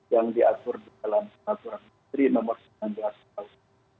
yang diatur dalam peraturan menteri nomor sembilan belas tahun dua ribu sembilan belas